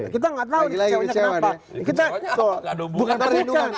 kita enggak tahu kecewanya kenapa